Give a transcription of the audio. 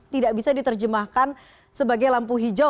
tidak bisa diterjemahkan sebagai lampu hijau